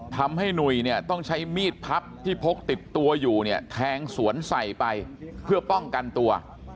หนุ่ยเนี่ยต้องใช้มีดพับที่พกติดตัวอยู่เนี่ยแทงสวนใส่ไปเพื่อป้องกันตัว